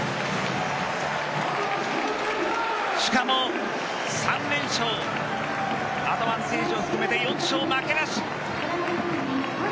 しかも３連勝アドバンテージを含めて４勝負けなし。